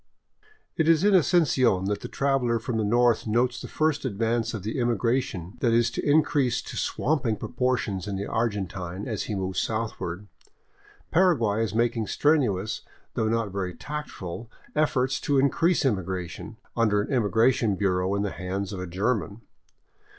It is in Asuncion that the traveler from the north notes the first advance of the immigration that is to increase to swamping propor tions in the Argentine, as he moves southward. Paraguay is making strenuous, though not very tactful, efforts to increase immigration, under an immigration bureau in the hands of a German.